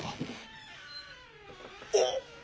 おっ！